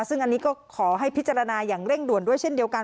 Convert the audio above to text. ซึ่งอันนี้ก็ขอให้พิจารณาอย่างเร่งด่วนด้วยเช่นเดียวกัน